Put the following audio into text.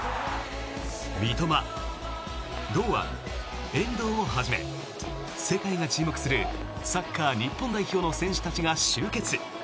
三笘、堂安、遠藤をはじめ世界が注目するサッカー日本代表の選手たちが集結。